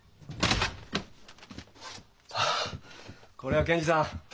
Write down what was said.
あっこれは検事さん！